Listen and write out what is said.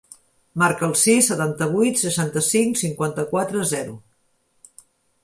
Marca el sis, setanta-vuit, seixanta-cinc, cinquanta-quatre, zero.